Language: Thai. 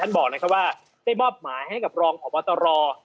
ท่านบอกนะครับว่าได้บ้อมมาให้กับรองของวัตรร